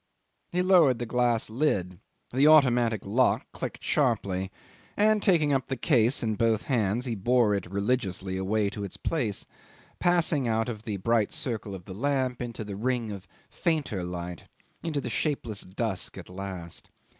..." 'He lowered the glass lid, the automatic lock clicked sharply, and taking up the case in both hands he bore it religiously away to its place, passing out of the bright circle of the lamp into the ring of fainter light into shapeless dusk at last.